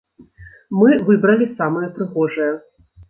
Мы выбралі самыя прыгожыя.